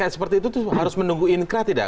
seperti itu harus menunggu inkrah tidak